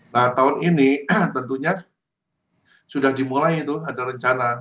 nah tahun ini tentunya sudah dimulai tuh ada rencana